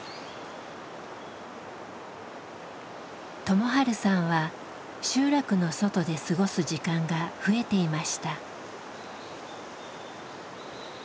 友治さんは集落の外で過ごす時間が増えていました。